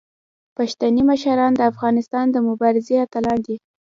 پښتني مشران د افغانستان د مبارزې اتلان دي.